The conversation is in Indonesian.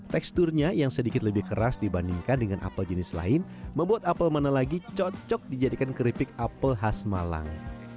teksturnya yang sedikit lebih keras dibandingkan dengan apel jenis lain membuat apel mana lagi cocok dijadikan keripik apel khas malang